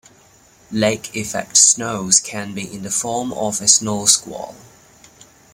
Lake effect snows can be in the form of a snow squall.